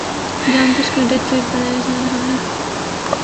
جان بوجھ کر death rate بڑھایا جا رہا ہے